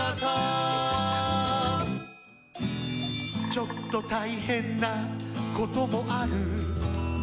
「ちょっとたいへんなこともある」